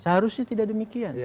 harusnya tidak demikian